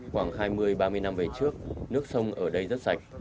khoảng hai mươi ba mươi năm về trước nước sông ở đây rất sạch